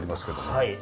はい。